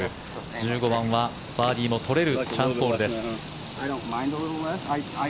１５番はバーディーも取れるチャンスホールです。